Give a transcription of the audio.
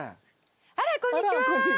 あらこんにちは。